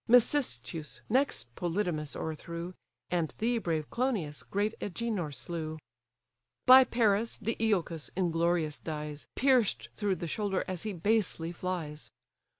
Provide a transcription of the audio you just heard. Mecystes next Polydamas o'erthrew; And thee, brave Clonius, great Agenor slew. By Paris, Deiochus inglorious dies, Pierced through the shoulder as he basely flies.